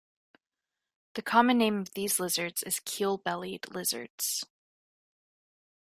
The common name of these lizards is Keel-bellied Lizards.